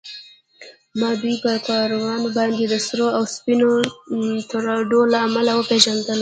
ما دوی پر کالرونو باندې د سرو او سپینو ټراډو له امله و پېژندل.